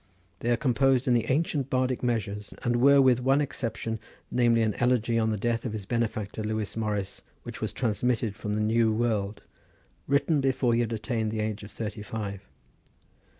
They are composed in the ancient Bardic measures, and were with one exception, namely an elegy on the death of his benefactor Lewis Morris, which was transmitted from the New World, written before he had attained the age of thirty five.